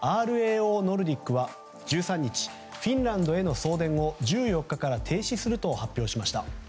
ノルディックは１３日フィンランドへの送電を１４日から停止すると発表しました。